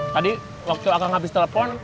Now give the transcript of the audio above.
tadi waktu akan habis telepon